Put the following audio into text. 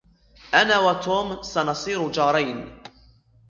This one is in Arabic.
أنا وتوم سنصير جارين.